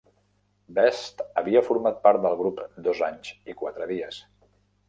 Best havia format part del grup dos anys i quatre dies.